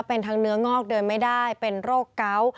เป็นทั้งเนื้องอกเดินไม่ได้เป็นโรคเกาะ